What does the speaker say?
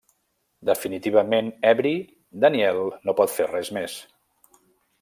Definitivament ebri Daniel no pot fer res més.